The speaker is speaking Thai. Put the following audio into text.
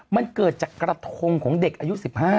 มันเกิดจากกระทงของเด็กอายุ๑๕